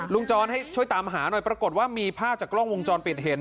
จรให้ช่วยตามหาหน่อยปรากฏว่ามีภาพจากกล้องวงจรปิดเห็น